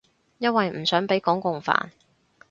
因為唔想畀港共煩